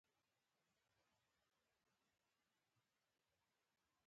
زوی یې وویل چټک نه سمه تللای